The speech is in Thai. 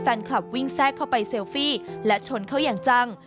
แฟนคลับวิ่งแทรกเข้าไปเซลฟี่และชนเขาอย่างจัง